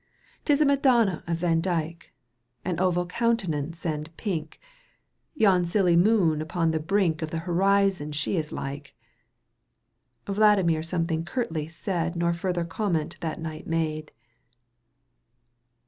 'Tis a Madonna of Vandyk, ^ An oval countenance and pink, ^ Yon silly moon upon the brink Of the horizon she is like !"— Vladimir something curtly said Nor further comment that night made.